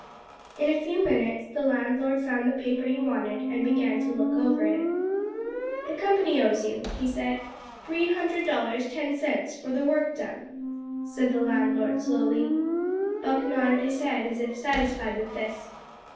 In a few minutes the landlord found the paper he wanted, and began to look over it. "The company owes you," he said, "three hundred dollars ten cents for the work done," said the landlord slowly. Buck nodded his head as if satisfied with this.